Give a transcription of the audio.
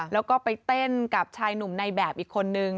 แล้วก็ไปเต้นกับชายหนุ่มในแบบอีกคนนึง